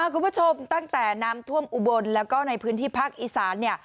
คุณผู้ชมตั้งแต่น้ำท่วมอุบลและก็ในพื้นที่พักอีสาน